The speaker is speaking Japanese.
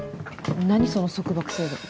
何その束縛制度。